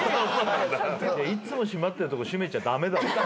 いつも閉まってないとこ閉めちゃ駄目だ。